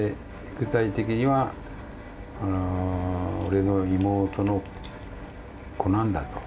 具体的には俺の妹の子なんだと。